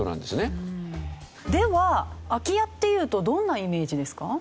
では空き家っていうとどんなイメージですか？